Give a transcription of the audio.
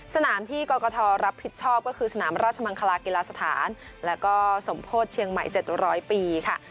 สนามที่กรกฐรับผิดชอบก็คือสนามราชมังคลากีฬาสถานแล้วก็สมโพธิเชียงใหม่๗๐๐ปีค่ะ